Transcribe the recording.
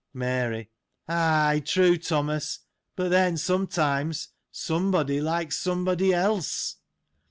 Mary. — Ay, true, Thomas : but then, sometimes, somebody likes somebody else.